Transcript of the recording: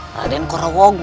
raden kau berdiri